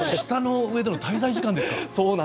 舌の上での滞在時間ですか。